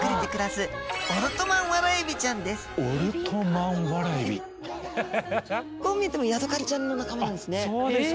スタジオこう見えてもヤドカリちゃんの仲間なんですね。